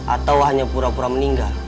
atau hanya pura pura meninggal